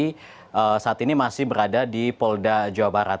ini saat ini masih berada di polda jawa barat